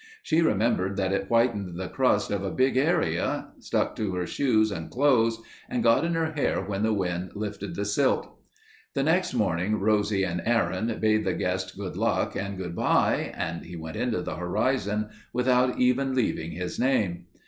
She remembered that it whitened the crust of a big area, stuck to her shoes and clothes and got in her hair when the wind lifted the silt. The next morning Rosie and Aaron bade the guest good luck and goodbye and he went into the horizon without even leaving his name.